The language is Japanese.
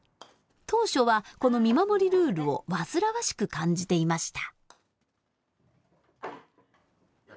当初はこの見守りルールを煩わしく感じていました。